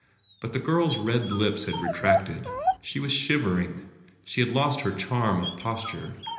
But the girl s red lips had retracted. She was shivering. She had lost her charm of posture.